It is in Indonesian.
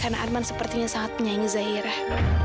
karena arman sepertinya sangat menyanyi zahirah